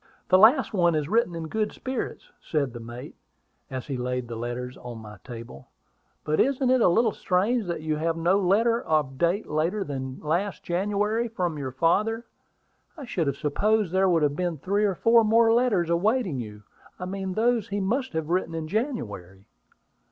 "The last one is written in good spirits," said the mate, as he laid the letters on my table. "But isn't it a little strange that you have no letter of later date than last January from your father? I should have supposed there would have been three or four more letters awaiting you; I mean those he must have written in January."